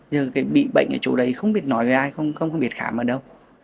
giờ cái bị bệnh ở chỗ đấy không biết nói với ai không biết khám ở đâu